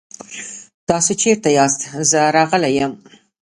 تاسې چيرته ياست؟ زه راغلی يم.